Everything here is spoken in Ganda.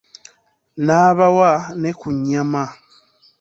N'abawa ne ku nyama.